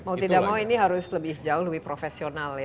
mau tidak mau ini harus lebih jauh lebih profesional ya